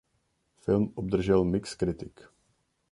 Film obdržel mix kritik.